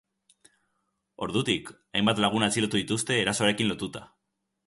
Ordutik, hainbat lagun atxilotu dituzte erasoarekin lotuta.